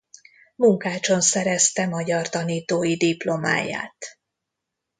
Munkácson szerezte magyar tanítói diplomáját.